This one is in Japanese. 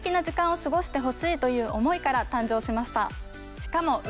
しかも。